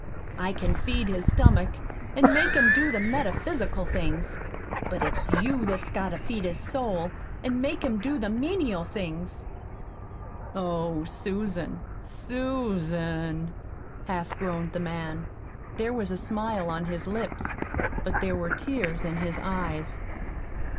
I can feed his stomach an' make him do the metaphysical things, but it's you that's got to feed his soul an' make him do the menial things." "Oh, Susan, Susan!" half groaned the man. There was a smile on his lips, but there were tears in his eyes.